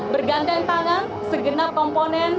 berganteng tangan segenap komponen